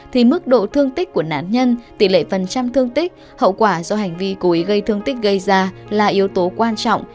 thì mức độ thương tích của nạn nhân tỷ lệ phần trăm thương tích hậu quả do hành vi cố ý gây thương tích gây ra là yếu tố quan trọng